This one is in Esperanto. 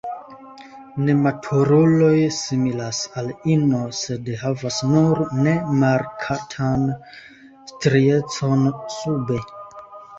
Nematuruloj similas al ino, sed havas nur ne markatan striecon sube.